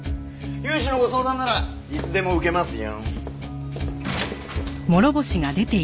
融資のご相談ならいつでも受けますよ。